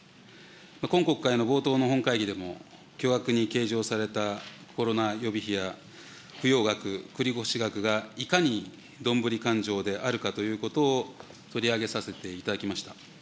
今国会の冒頭の本会議でも巨額に計上されたコロナ予備費や、ふよう額繰り越し額がいかにどんぶり勘定であるかということを取り上げさせていただきました。